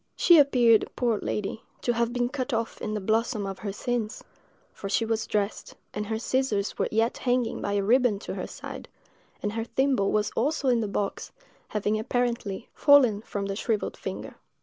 She appeared, poor lady, to have been cut off in the "blossom of her sins;" for she was dressed, and her scissors were yet hanging by a riband to her side, and her thimble was also in the box, having, apparently, fallen from the shrivelled finger.